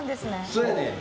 そやねん。